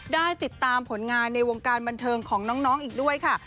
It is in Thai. ได้ติดตามผลงานในวงการบันเทิงของน้องอีกด้วยค่ะ